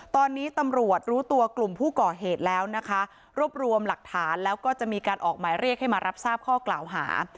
ตอนนี้ตำรวจรู้ตัวกลุ่มผู้ก่อเหตุแล้วนะคะรวบรวมหลักฐานแล้วก็จะมีการออกหมายเรียกให้มารับทราบข้อกล่าวหา